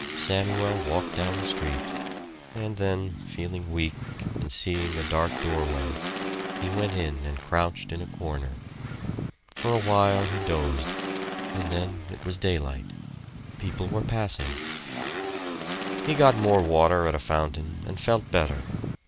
Samuel walked down the street; and then, feeling weak and seeing a dark doorway, he went in and crouched in a corner. For a while he dozed; and then it was daylight. People were passing. He got more water at a fountain and felt better.